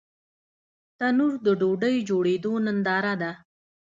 تنور د ډوډۍ جوړېدو ننداره ده